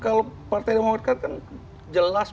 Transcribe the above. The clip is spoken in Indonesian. kalau partai demokrat kan jelas